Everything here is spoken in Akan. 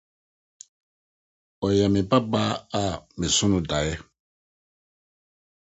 Ɔyɛ me babea a meso no dae.